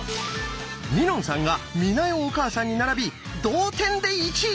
みのんさんが美奈代お母さんに並び同点で１位！